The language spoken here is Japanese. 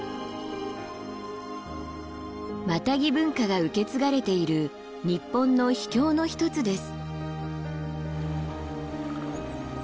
マタギ文化が受け継がれているニッポンの秘境の一つです。